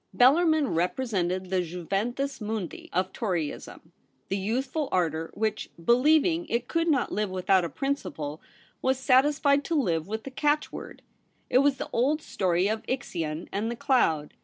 Bellarmin represented the ju ventus mundi of Toryism ; the youthful ardour which, believing it could not live with out a principle, was satisfied to live with a catch word. It was the old story of Ixion and the cloud.